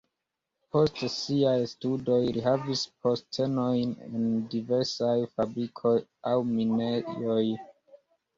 Post siaj studoj li havis postenojn en diversaj fabrikoj aŭ minejoj.